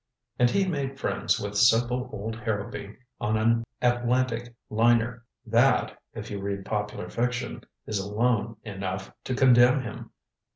And he made friends with simple old Harrowby on an Atlantic liner that, if you read popular fiction, is alone enough to condemn him.